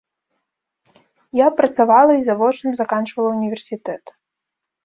Я працавала і завочна заканчвала ўніверсітэт.